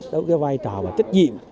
đối với vai trò và trách nhiệm